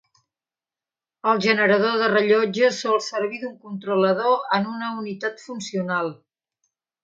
El generador de rellotge sol servir d'un controlador en una unitat funcional.